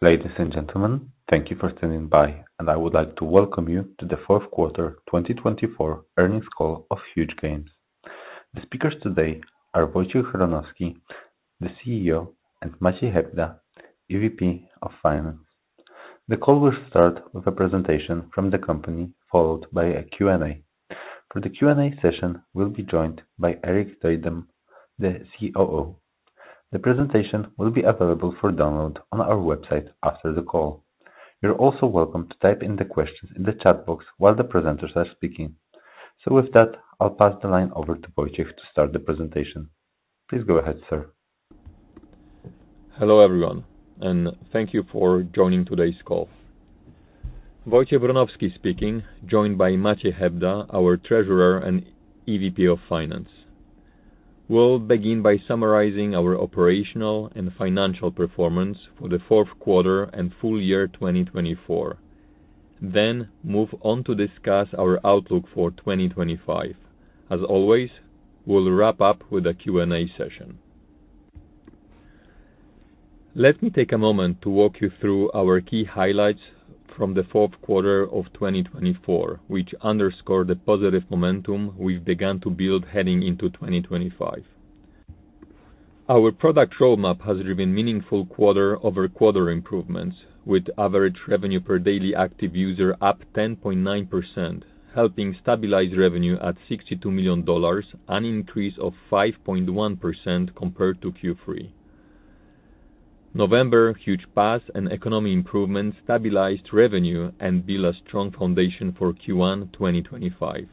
Ladies and gentlemen, thank you for standing by and I would like to welcome you to the fourth quarter 2024 earnings call of Huuuge. The speakers today are Wojciech Wronowski, the CEO, and Maciej Hebda, EVP of Finance. The call will start with a presentation from the company, followed by a Q&A. For the Q&A session, we'll be joined by Erik Duindam, the COO. The presentation will be available for download on our website after the call. You're also welcome to type in the questions in the chat box while the presenters are speaking. So with that I'll pass the line over to Wojciech to start the presentation. Please go ahead, sir. Hello everyone and thank you for joining today's call. Wojciech Wronowski speaking, joined by Maciej Hebda, our Treasurer and EVP of Finance. We'll begin by summarizing our operational and financial performance for the fourth quarter and full year 2024, then move on to discuss our outlook for 2025. As always, we'll wrap up with a Q and A session. Let me take a moment to walk you through our key highlights from the fourth quarter of 2024, which underscore the positive momentum we've begun to build heading into 2025. Our product roadmap has driven meaningful quarter over quarter improvements with average revenue per daily active user up 10.9%, helping stabilize revenue at $62 million, an increase of 5.1% compared to Q3. Huuuge Pass and economy improvement stabilized revenue and built a strong foundation for Q1 2025.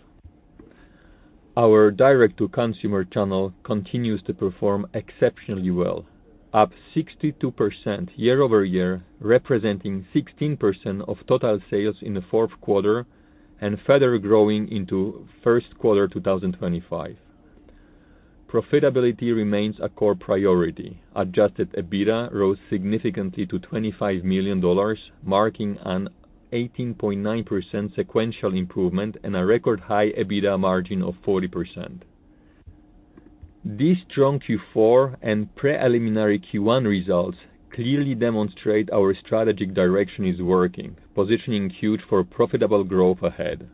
Our direct-to-consumer channel continues to perform exceptionally well, up 62% year over year, representing 16% of total sales in the fourth quarter and further growing into Q1 2025. Profitability remains a core priority. Adjusted EBITDA rose significantly to $25 million, marking an 18.9% sequential improvement and a record high EBITDA margin of 40%. These strong Q4 and preliminary Q1 results clearly demonstrate our strategic direction is working, positioning us for profitable growth ahead.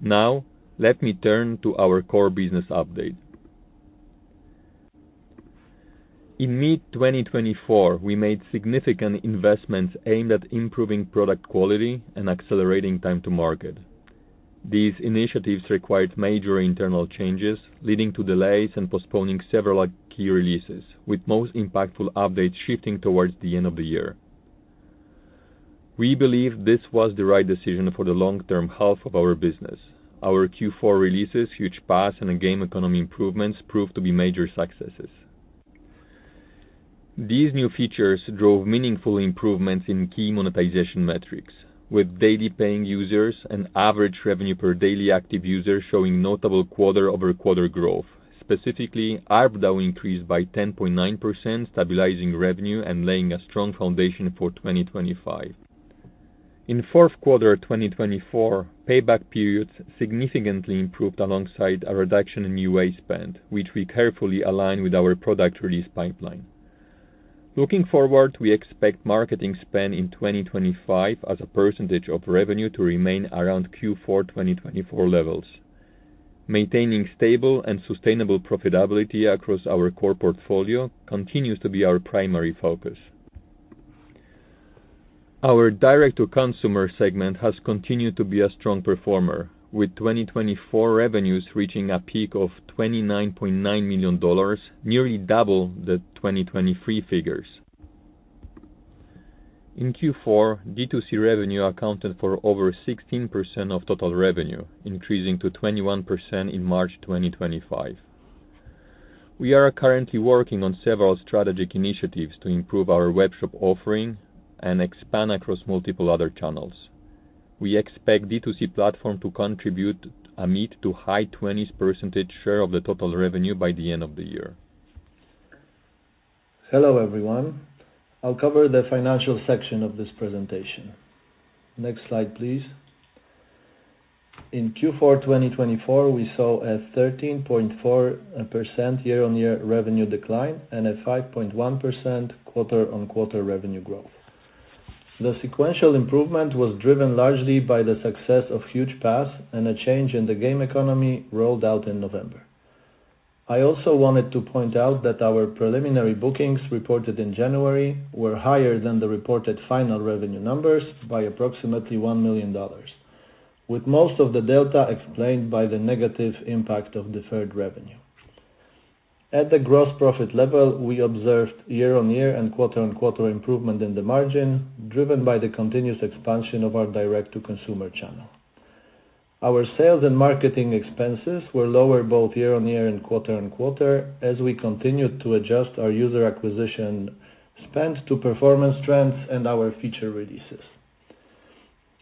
Now let me turn to our core business update. In mid-2024 we made significant investments aimed at improving product quality and accelerating time to market. These initiatives required major internal changes leading to delays and postponing several key releases, with most impactful updates shifting towards the end of the year. We believe this was the right decision for the long-term health of our business. Our Q4 releases, Huuuge Pass and game economy improvements proved to be major successes. These new features drove meaningful improvements in key monetization metrics with daily paying users and average revenue per daily active user showing notable quarter over quarter growth. Specifically, ARPDAU increased by 10.9%, stabilizing revenue and laying a strong foundation for 2025. In fourth quarter 2024 payback periods significantly improved alongside a reduction in UA spend which we carefully align with our product release pipeline. Looking forward, we expect marketing spend in 2025 as a percentage of revenue to remain around Q4 2024 levels. Maintaining stable and sustainable profitability across our core portfolio continues to be our primary focus. Our direct to consumer segment has continued to be a strong performer with 2024 revenues reaching a peak of $29.9 million, nearly double the 2023 figures. In Q4 D2C revenue accounted for over 16% of total revenue, increasing to 21% in March 2025. We are currently working on several strategic initiatives to improve our webshop offering and expand across multiple other channels. We expect D2C platform to contribute a mid- to high-20s % share of the total revenue by the end of the year. Hello everyone, I'll cover the financial section of this presentation. Next slide please. In Q4 2024 we saw a 13.4% year on year revenue decline and a 5.1% quarter on quarter revenue growth. The sequential improvement was driven largely by the success of Huuuge Pass and a change in the game economy rolled out in November. I also wanted to point out that our preliminary bookings reported in January were higher than the reported final revenue numbers by approximately $1 million with most of the delta explained by the negative impact of deferred revenue at the gross profit level. We observed year on year and quarter on quarter improvement in the margin driven by the continuous expansion of our direct-to-consumer channel. Our sales and marketing expenses were lower both year on year and quarter on quarter as we continued to adjust our user acquisition spend to performance trends and our feature releases.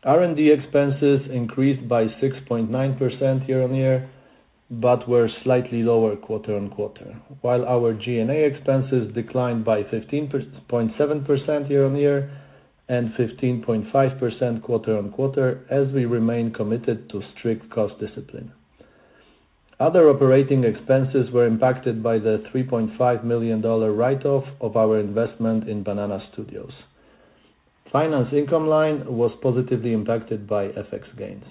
R&D expenses increased by 6.9% year on year but were slightly lower quarter on quarter while our G&A expenses declined by 15.7% year on year and 15.5% quarter on quarter as we remain committed to strict cost discipline. Other operating expenses were impacted by the $3.5 million write-off of our investment in Banana Studios. Finance income line was positively impacted by FX gains.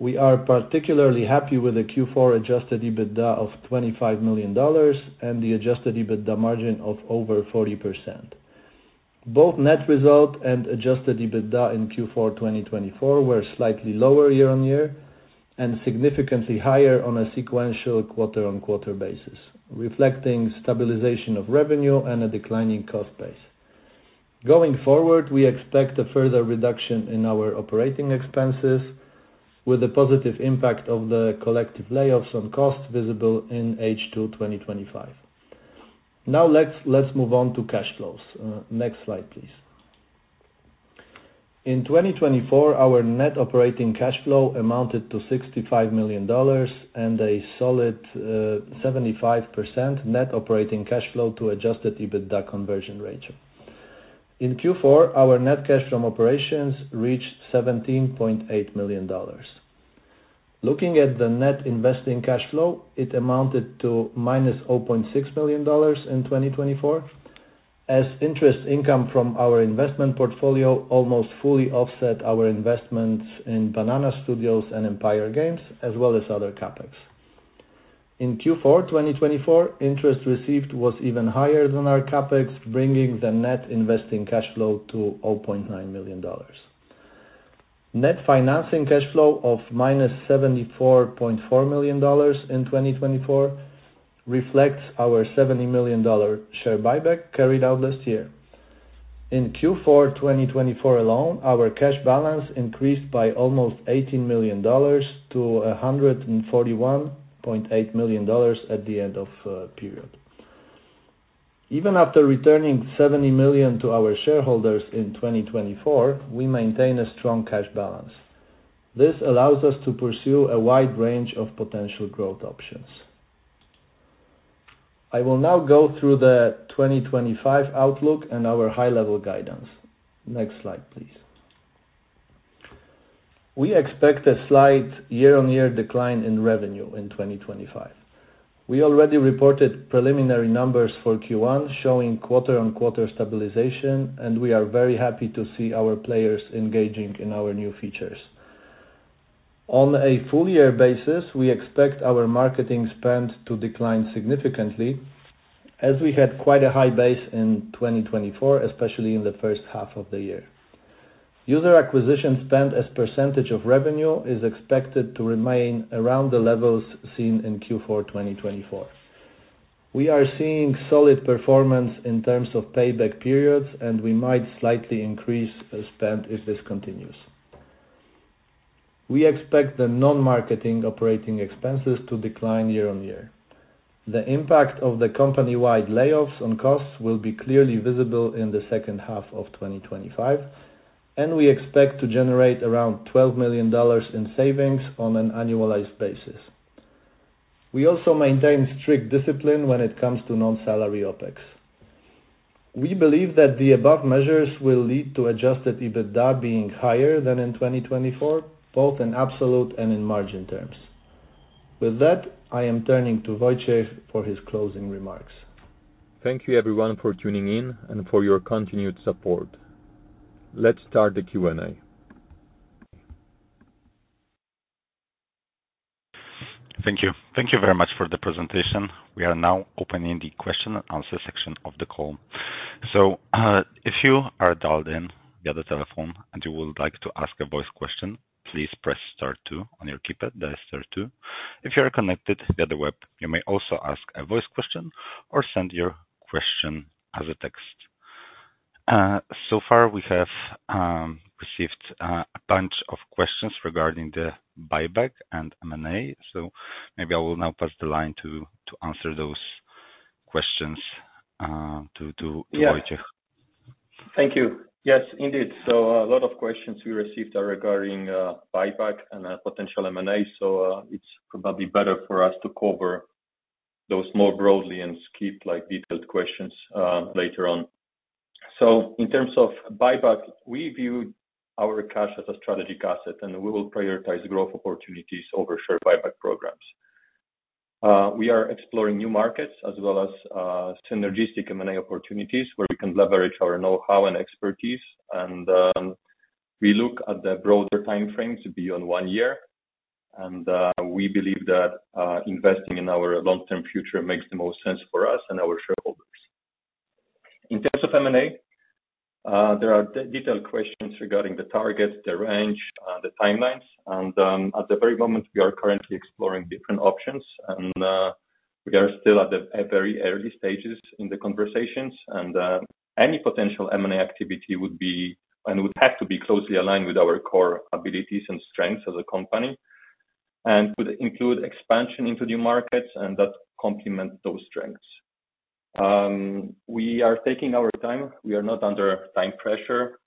We are particularly happy with the Q4 adjusted EBITDA of $25 million and the adjusted EBITDA margin of over 40%. Both net result and Adjusted EBITDA in Q4 2024 were slightly lower year on year and significantly higher on a sequential quarter on quarter basis, reflecting stabilization of revenue and a declining cost base. Going forward, we expect a further reduction in our operating expenses with the positive impact of the collective layoffs on costs visible in H2 2025. Now let's move on to cash flows. Next slide please. In 2024 our net operating cash flow amounted to $65 million and a solid 75% net operating cash flow to Adjusted EBITDA conversion ratio. In Q4 our net cash from operations reached $17.8 million. Looking at the net investing cash flow, it amounted to -$0.6 million in 2024. As interest income from our investment portfolio almost fully offset our investments in Banana Studios and Empire Games as well as other CapEx. In Q4 2024, interest received was even higher than our CapEx, bringing the net investing cash flow to $0.9 million. Net financing cash flow of -$74.4 million in 2024 reflects our $70 million share buyback carried out this year. In Q4 2024 alone, our cash balance increased by almost $18 million to $141.8 million at the end of period. Even after returning $70 million to our shareholders in 2024, we maintain a strong cash balance. This allows us to pursue a wide range of potential growth options. I will now go through the 2025 outlook and our high level guidance. Next slide please, please we expect a slight year on year decline in revenue in 2025. We already reported preliminary numbers for Q1 showing quarter on quarter stabilization and we are very happy to see our players engaging in our new features on a full year basis. We expect our marketing spend to decline significantly as we had quite a high base in 2024, especially in the first half of the year. User acquisition spend as percentage of revenue is expected to remain around the levels seen in Q4 2024. We are seeing solid performance in terms of payback periods and we might slightly increase spend if this continues. We expect the non-marketing operating expenses to decline year-on-year. The impact of the company-wide layoffs on costs will be clearly visible in the second half of 2025 and we expect to generate around $12 million in savings on an annualized basis. We also maintain strict discipline when it comes to non-salary OpEx. We believe that the above measures will lead to Adjusted EBITDA being higher than in 2024 both in absolute and in margin terms. With that, I am turning to Wojciech for his closing remarks. Thank you everyone for tuning in and for your continued support. Let's start the Q&A. Thank you. Thank you very much for the presentation. We are now opening the question and answer section of the call. So if you are dialed in via the telephone and you would like to ask a voice question, please press Star two on your keypad. If you are connected via the web, you may also ask a voice question or send your question as a text. So far we have received a bunch of questions regarding the buyback and M&A. So maybe I will now pass the line to answer those questions to thank you. Yes, indeed. So a lot of questions we received are regarding buyback and potential M and A. So it's probably better for us to cover those more broadly and skip like detailed questions later on. So in terms of buyback, we view our cash as a strategic asset and we will prioritize growth opportunities over share buyback programs. We are exploring new markets as well as synergistic M and A opportunities where we can leverage our know how and expertise. And we look at the broader time frame to be on one year and we believe that investing in our long term future makes the most sense for us and our shareholders. In terms of M&A, there are detailed questions regarding the targets, the range, the timelines, and at the very moment we are currently exploring different options and we are still at the very early stages in the conversations and any potential M&A activity would be. Have to be closely aligned with our. Core abilities and strengths as a company and would include expansion into new markets and that complement those strengths. We are taking our time. We are not under time pressure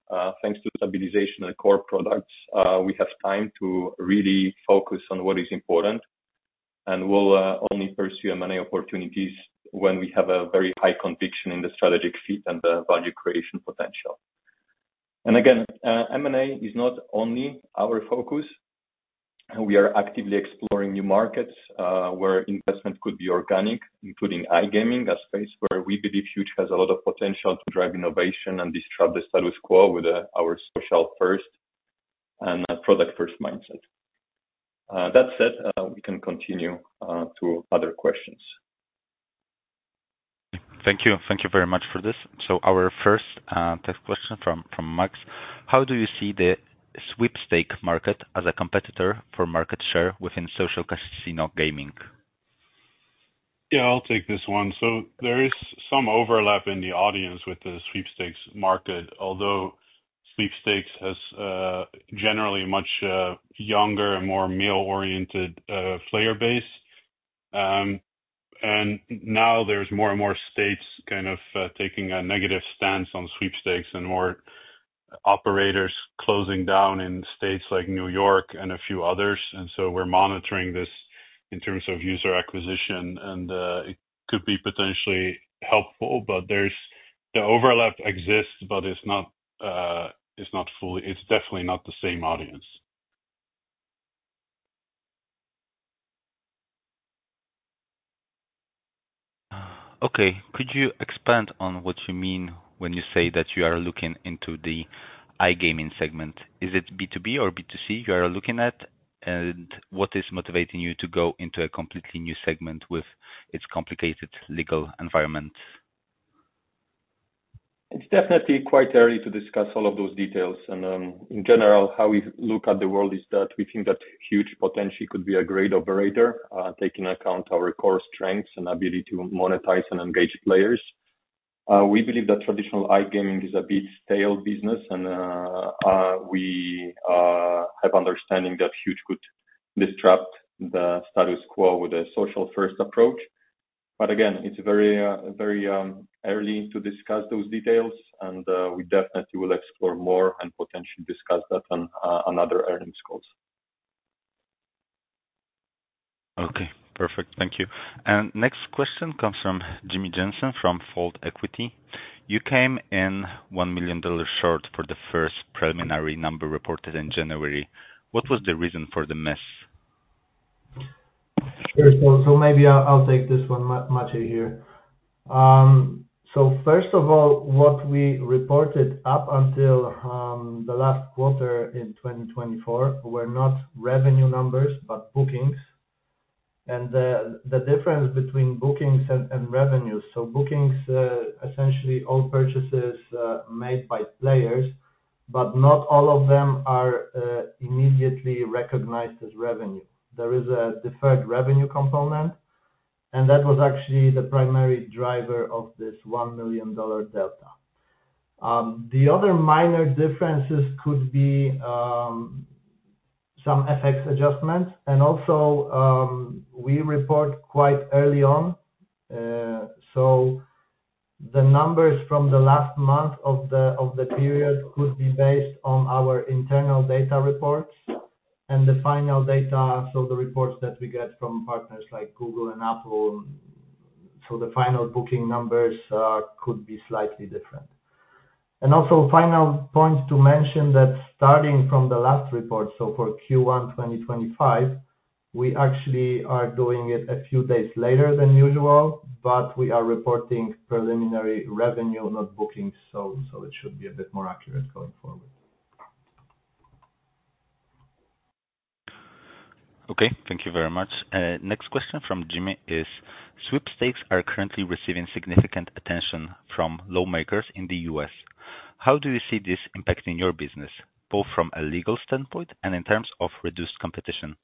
thanks to stabilization of the core products. We have time to really focus on what is important and will only pursue many opportunities when we have a very high conviction in the strategic fit and the value creation potential. And again, MA is not only our focus, we are actively exploring new markets where investment could be organic, including iGaming, a space where we believe Huuuge has a lot of potential to drive innovation and disrupt the status quo with our social first and product first mindset. That said, we can continue to other questions. Thank you. Thank you very much for this. So our first question from Max, how do you see the sweepstakes market as a competitor for market share within social casino gaming? Yeah, I'll take this one. So there is some overlap in the audience with the sweepstakes market, although sweepstakes has generally much younger and more male-oriented player base and now there's more and more states kind of taking a negative stance on sweepstakes and more operators closing down in states like New York and a few others, and so we're monitoring this in terms of user acquisition and it could be potentially helpful. But there's. The overlap exists, but it's not. It's not fully. It's definitely not the same audience. Okay, could you expand on what you mean when you say that you are looking into the iGaming segment? Is it B2B or B2C you are looking at and what is motivating you to go into a completely new segment with its complicated legal environment? It's definitely quite early to discuss all of those details, and in general how we look at the world is that we think that Huuuge potential, she could be a great operator. Taking account our core strengths and ability to monetize and engage players. We believe that traditional iGaming is a bit stale business and we have understanding that Huuuge could disrupt the status quo with a social first approach. But again, it's very, very early to discuss those details and we definitely will explore more and potentially discuss that on another earnings calls. Okay, perfect. Thank you. And next question comes from Jimmy Jensen from Fold Equity. You came in $1 million short for the first preliminary number reported in January. What was the reason for the mess? So maybe I'll take this one. Maciej here. So first of all, what we reported up until the last quarter in 2024 were not revenue numbers but bookings and the difference between bookings and revenues. So bookings, essentially all purchases made by players, but not all of them are immediately recognized as revenue. There is a deferred revenue component and that was actually the primary driver of this $1 million delta. The other minor differences could be some FX adjustments. We also report quite early on. So the numbers from the last month of the period could be based on our internal data reports and the final data. So the reports that we get from partners like Google and Apple, so the final booking numbers could be slightly different. Final point to mention that starting from the last report. For Q1 2025, we actually are doing it a few days later than usual, but we are reporting preliminary revenue, not bookings. It should be a bit more accurate going forward. Okay, thank you very much. Next question from Jimmy is: Sweepstakes are currently receiving significant attention from lawmakers in the U.S. How do you see this impacting your business both from a legal standpoint and in terms of reduced competition?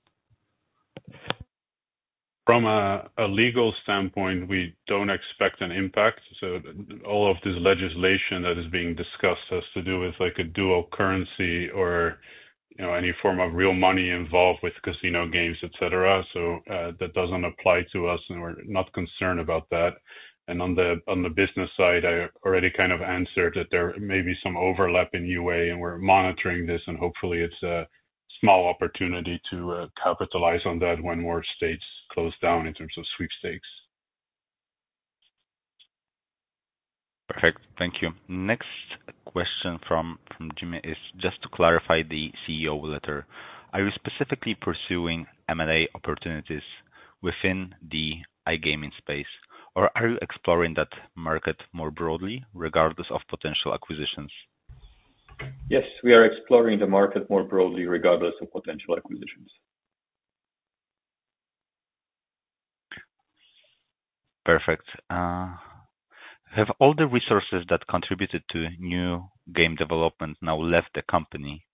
From a legal standpoint, we don't expect an impact. So all of this legislation that is being discussed has to do with like a dual currency or you know, any form of real money involved with casino games, etc. So that doesn't apply to us and we're not concerned about that. And on the business side, I already kind of answered that there may be some overlap in UA and we're monitoring this and hopefully it's a small opportunity to capitalize on that when more states close down in terms of sweepstakes. Perfect, thank you. Next question from Jimmy is just to clarify the CEO letter. Are you specifically pursuing M and A opportunities within the iGaming space or are you exploring that market more broadly regardless of potential acquisitions? Yes, we are exploring the market more. Broadly regardless of potential acquisitions. Perfect. Have all the resources that contributed to new game development now left the company?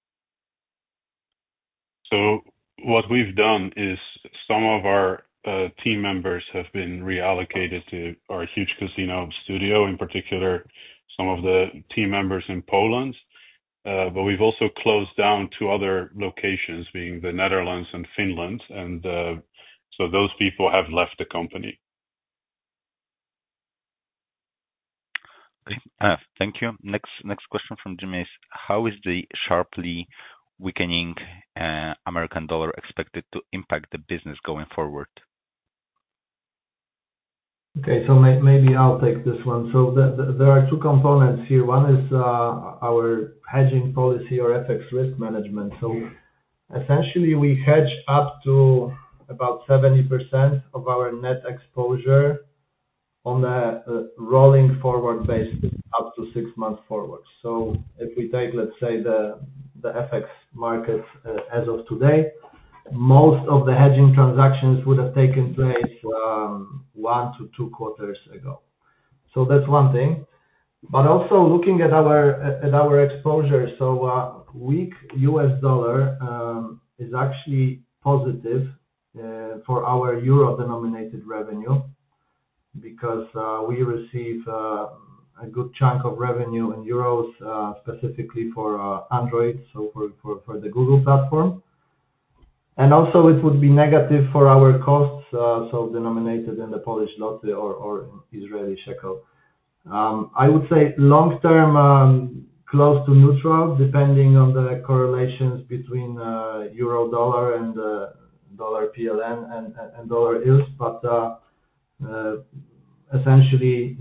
What we've done is some of our team members have been reallocated to our Huuuge Casino studio, in particular some of the team members in Poland, but we've also closed down two other locations being the Netherlands and Finland, and so those people have left the company. Thank you. Next question from Jim is how is the sharply weakening American dollar expected to impact the business going forward? Okay, so maybe I'll take this one. So there are two components here. One is our hedging policy or FX risk management. So essentially we hedge up to about 70% of our net expense exposure on a rolling forward basis up to six months forward. So if we take, let's say, the FX market as of today, most of the hedging transactions would have taken place one to two quarters ago. So that's one thing. But also looking at our exposure. A weak U.S. dollar is actually positive for our euro-denominated revenue because we receive a good chunk of revenue in euros specifically for Android, so for the Google platform. It would also be negative for our costs denominated in the Polish zloty or Israeli shekel. I would say long-term close to neutral depending on the correlations between euro-dollar and dollar-PLN and dollar-ILS. But. Essentially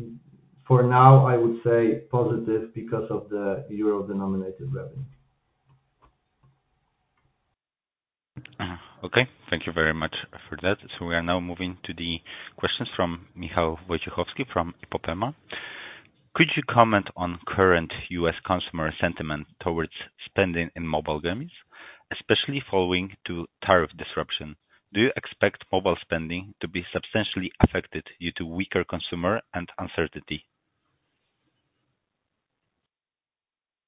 for now I would say positive because of the euro-denominated revenue. Okay, thank you very much for that. So we are now moving to the questions from Michał Wojciechowski from Ipopema. Could you comment on current U.S. consumer sentiment towards spending in mobile games, especially following the tariff disruption? Do you expect mobile spending to be substantially affected due to weaker consumer and uncertainty?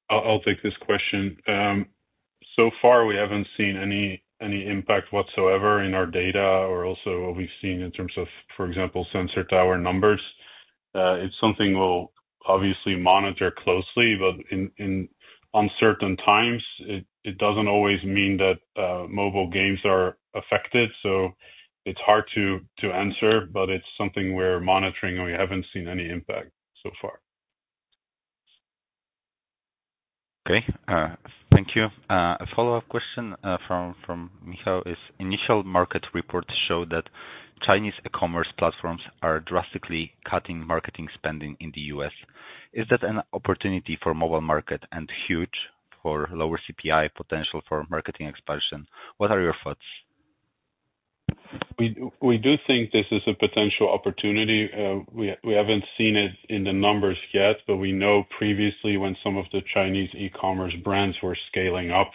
I'll take this question. So far we haven't seen any impact whatsoever in our data or also what we've seen in terms of, for example, Sensor Tower numbers. It's something we'll obviously monitor closely, but in uncertain times, it doesn't always mean that mobile games are affected, so it's hard to answer, but it's something we're monitoring and we haven't seen any impact so far. Okay, thank you. A follow-up question from Michał is initial market reports show that Chinese e-commerce platforms are drastically cutting marketing spending in the U.S. Is that an opportunity for mobile market and Huuuge for lower CPI potential for marketing expansion? What are your thoughts? We do think this is a potential opportunity. We haven't seen it in the numbers yet but we know previously when some of the Chinese e-commerce brands were scaling up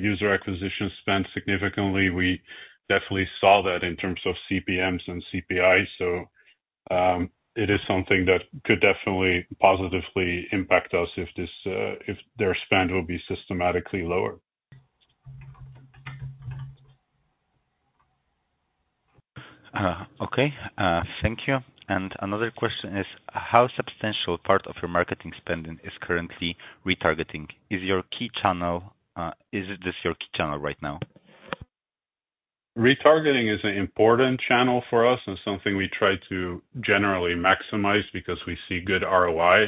user acquisition spend significantly, we definitely saw that in terms of CPMs and CPI. So it is something that could definitely positively impact us if this, if their spend will be systematically lower. Okay, thank you and another question is how substantial part of your marketing spending is currently retargeting? Is this your key channel right now? Retargeting is an important channel for us and something we try to generally maximize because we see good ROI.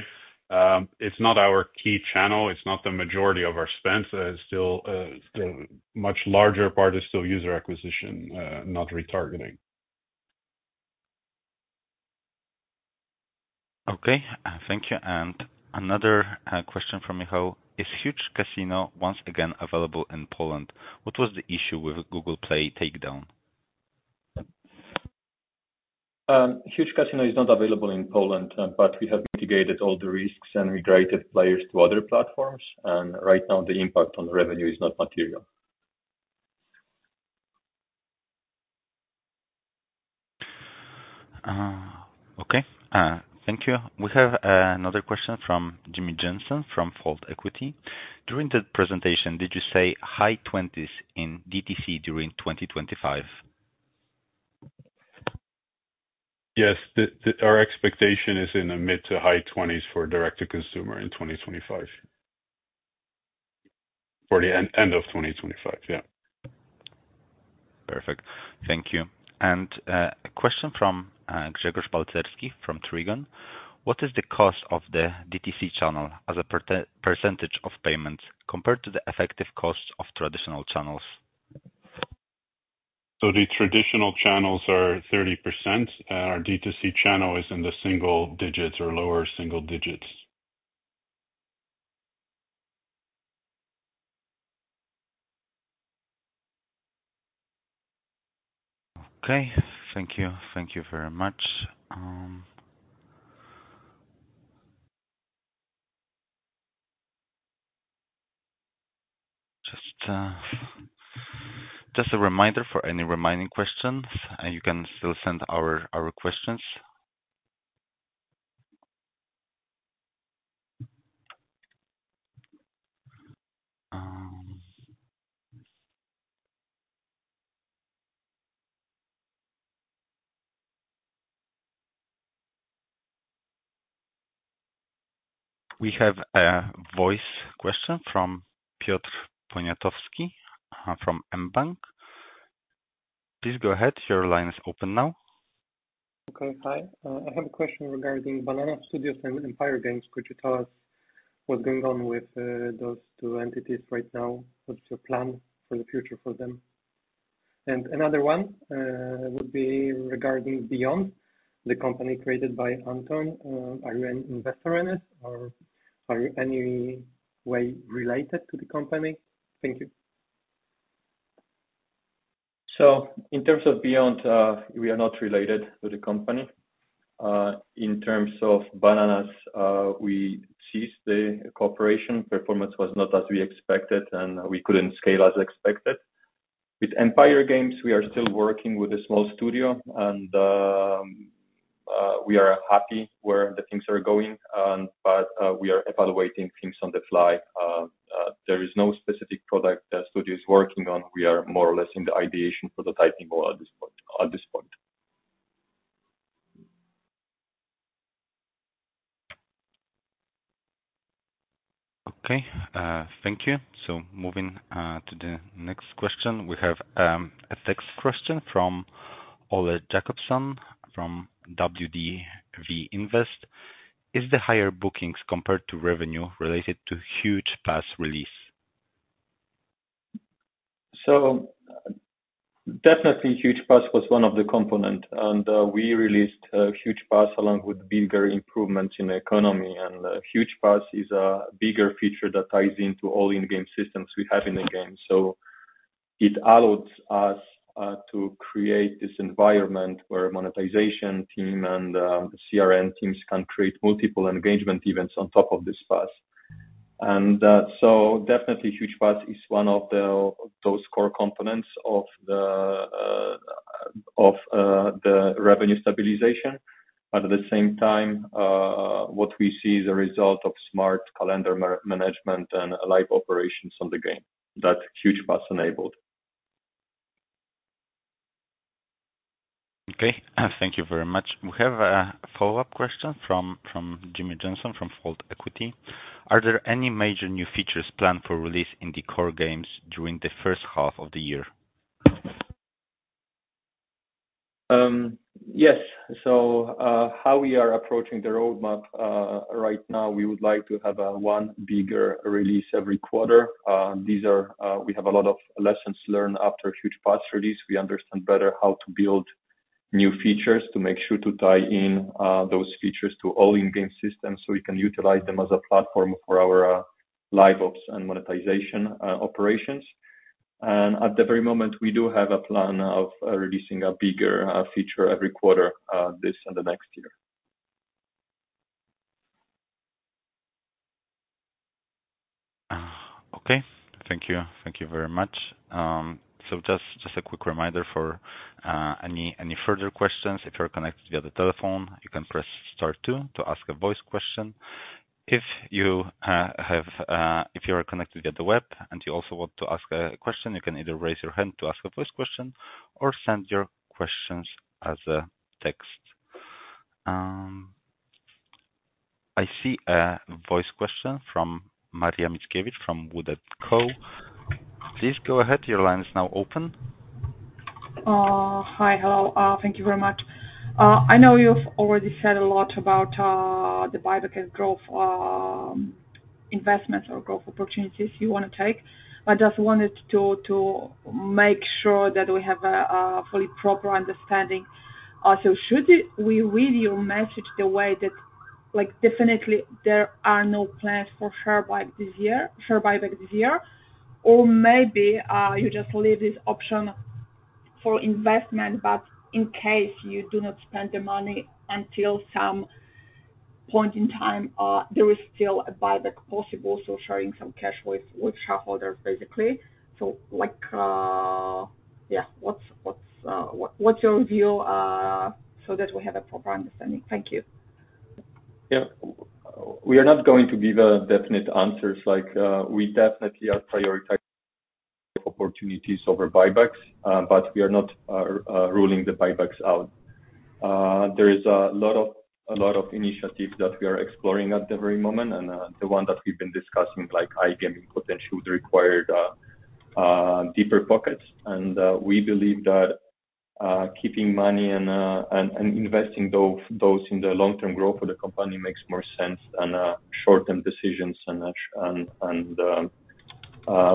It's not our key channel. It's not the majority of our spend. Much larger part is still user acquisition not retargeting. Okay, thank you, and another question from Michał. Is Huuuge Casino once again available in Poland? What was the issue with Google Play takedown? Huuuge Casino is not available in Poland, but we have mitigated all the risks and migrated players to other platforms and right now the impact on revenue is not material. Okay, thank you. We have another question from Jimmy Jensen from Fold Equity. During the presentation, did you say high 20s in D2C during 2025? Yes. Our expectation is in the mid to high 20s for direct to consumer in 2025. For the end of 2025. Yeah. Perfect. Thank you. And a question from Grzegorz Balcerski: What is the cost of the DTC channel as a percentage of payments compared to the effective cost of traditional channels? The traditional channels are 30%. Our D2C channel is in the single digits or lower single digits. Okay, thank you. Thank you very much. Just a reminder for any remaining questions and you can still send our questions. We have a voice question from Piotr Poniatowski from mBank. Please go ahead. Your line is open now. Okay. Hi, I have a question regarding Banana Studios and Empire Games. Could you tell us what's going on with those two entities right now? What's your plan for the future for them? And another one would be regarding Beyond the company created by Anton. Are you an investor in it? Or are you any way related to the company? Thank you. In terms of Beyond, we are not related to the company in terms of Banana Studios. We ceased the cooperation, performance was not as we expected and we couldn't scale as expected with Empire Games. We are still working with a small studio and we are happy where the things are going, but we are evaluating things on the fly. There is no specific product the studio is working on. We are more or less in the ideation prototyping at this point. Okay, thank you. So, moving to the next question, we have a text question from Ole Jacobson from WDV Invest. Is the higher bookings compared to revenue related to Huuuge Pass release? So, definitely, Huuuge Pass was one of the component and we released Huuuge Pass along with bigger improvements in economy. And Huuuge Pass is a bigger feature that ties into all in-game systems we have in the game. So it allowed us to create this environment where monetization team and CRM teams can create multiple engagement events on top of this path. Definitely Huuuge Pass is one of those core components of the revenue stabilization. But at the same time what we see is a result of smart calendar management and live operations on the game that Huuuge Pass enabled. Okay, thank you very much. We have a follow up question from Jimmy Jensen from Fold Equity. Are there any major new features planned for release in the core games during the first half of the year? Yes. How we are approaching the roadmap right now, we would like to have one bigger release every quarter. We have a lot of lessons learned after Huuuge Pass release. We understand better how to build new features to make sure to tie in those features to all in-game systems so we can utilize them as a platform for our live ops and monetization operations. At the very moment we do have a plan of releasing a bigger feature every quarter this and the next year. Okay, thank you. Thank you very much. Just a quick reminder for any further questions. If you're connected via the telephone, you can press Star two to ask a voice question. If you are connected via the web and you also want to ask a question, you can either raise your hand to ask a voice question or send your questions as a text. I see a voice question from Maria Mickiewicz from WOOD & Company. Please go ahead. Your line is now open. Hi. Hello. Thank you very much. I know you've already said a lot about the buyback and growth investments or growth opportunities you want to take. I just wanted to make sure that we have a fully proper understanding. So should we read your message the way that like definitely there are no plans for share buyback this year or maybe you just leave this option for investment. But in case you do not spend the money until some point in time, there is still a buyback possible. Sharing some cash with shareholders basically. Like, yeah, what's your review so that we have a proper understanding? Thank you. Yeah, we are not going to give definite answers. Like we definitely are prioritizing opportunities over buybacks, but we are not ruling the buybacks out. There is a lot of initiatives that we are exploring at the very moment, and the one that we've been discussing, like iGaming potential, the required deeper pockets, and we believe that keeping money and investing those in the long term growth of the company makes more sense than short term decisions, and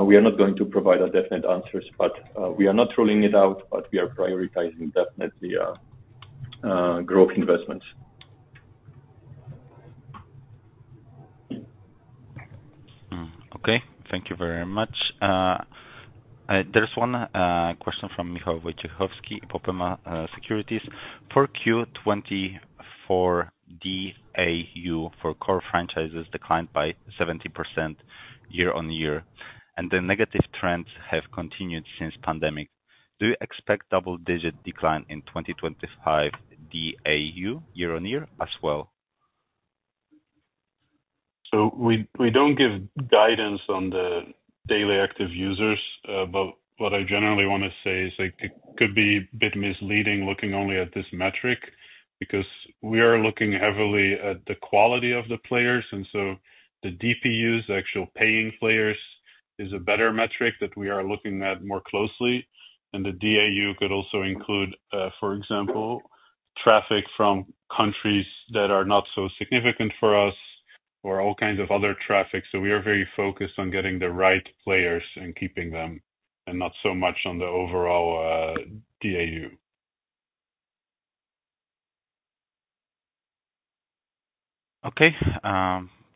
we are not going to provide definite answers but we are not ruling it out, but we are prioritizing definitely growth investments. Okay, thank you very much. There's one question from Michał Wojciechowski, Ipopema Securities, for Q2 2024 DAU for core franchises declined by 70% year on year and the negative trends have continued since pandemic. Do you expect double digit decline in 2025 DAU year on year as well? So we don't give guidance on the daily active users. But what I generally want to say is it could be a bit misleading looking only at this metric because we are looking heavily at the quality of the players and so the DPUs, actual paying players, is a better metric that we are looking at more closely. And the DAU could also include for example traffic from countries that are not so significant for us or all kinds of other traffic. So we are very focused on getting the right players and keeping them and not so much on the overall DAU. Okay,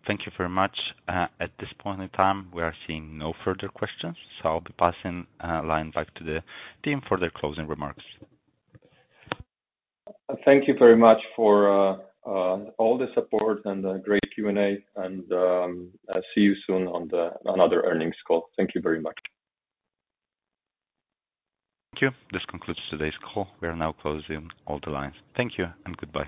thank you very much. At this point in time we are seeing no further questions. So I'll be passing the line back to the team for their closing remarks. Thank you very much for all the support and great Q and A and see you soon on another earnings call. Thank you very much. Thank you. This concludes today's call. We are now closing all the lines. Thank you and goodbye.